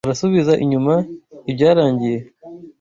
Urasubiza inyuma ibyarangiye .